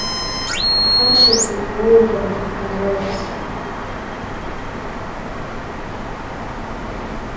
Цашьагьы уоурым унраҩс.